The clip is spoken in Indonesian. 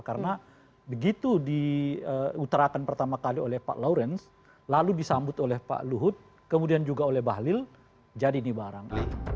karena begitu diuterakan pertama kali oleh pak lawrence lalu disambut oleh pak luhut kemudian juga oleh bahlil jadi ini barang